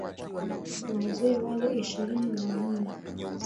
Wazee wale ishirini na wanne.